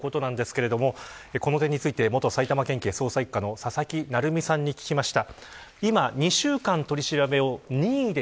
この点について元埼玉県警捜査一課の佐々木成三さんに聞きました。